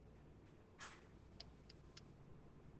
ni mzee shaa msikilizaji akiwa dar es salam tanzania mzee mstaafu huyu